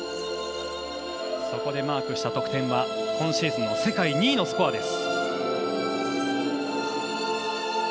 そこでマークした得点は今シーズンの世界２位のスコア。